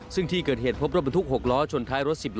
ซึ่งที่เกิดเหตุพบรถบรรทุก๖ล้อชนท้ายรถ๑๐ล้อ